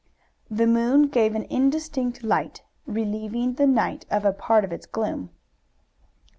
The moon gave an indistinct light, relieving the night of a part of its gloom.